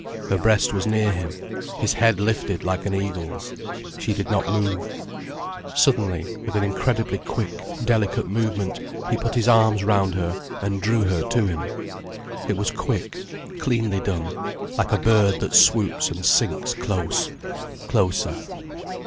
Her breast was near him; his head lifted like an eagle's. She did not move. Suddenly, with an incredibly quick, delicate movement, he put his arms round her and drew her to him. It was quick, cleanly done, like a bird that swoops and sinks close, closer.